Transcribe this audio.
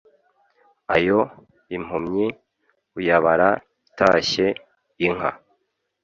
ayo impumyi uyabara itashye (inka)